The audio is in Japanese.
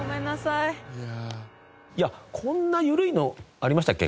こんなゆるいのありましたっけ？